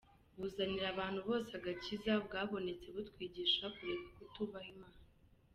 buzanira abantu bose agakiza bwabonetse butwigisha kureka kutubaha Imana.